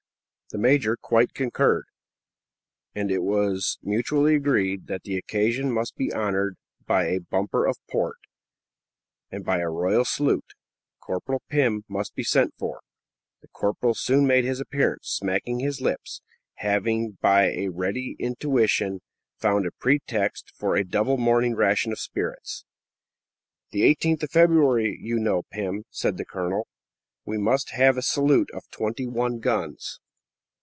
The major quite concurred; and it was mutually agreed that the occasion must be honored by a bumper of port, and by a royal salute. Corporal Pim must be sent for. The corporal soon made his appearance, smacking his lips, having, by a ready intuition, found a pretext for a double morning ration of spirits. "The 18th of February, you know, Pim," said the colonel; "we must have a salute of twenty one guns."